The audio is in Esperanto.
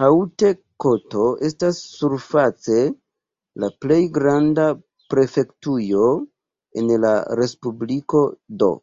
Haute-Kotto estas surface la plej granda prefektujo en la respubliko do.